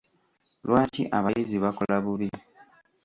Lwaki abayizi bakola bubi?